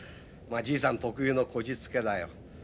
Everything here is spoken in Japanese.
まあじいさん特有のこじつけだよ。